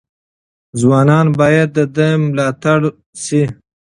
ځوانان باید د ده ملاتړي شي.